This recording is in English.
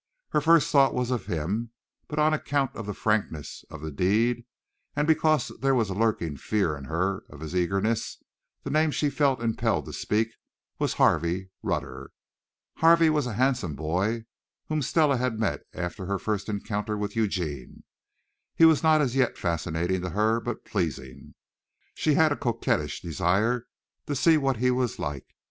Her first thought was of him, but on account of the frankness of the deed, and because there was a lurking fear in her of his eagerness, the name she felt impelled to speak was Harvey Rutter. Harvey was a handsome boy whom Stella had met after her first encounter with Eugene. He was not as yet fascinating to her, but pleasing. She had a coquettish desire to see what he was like.